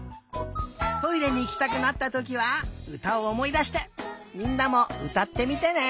トイレにいきたくなったときはうたをおもいだしてみんなもうたってみてね！